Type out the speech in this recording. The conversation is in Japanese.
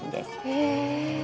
へえ。